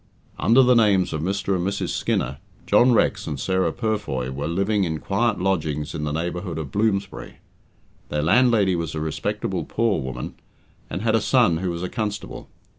Under the names of Mr. and Mrs. Skinner, John Rex and Sarah Purfoy were living in quiet lodgings in the neighbourhood of Bloomsbury. Their landlady was a respectable poor woman, and had a son who was a constable.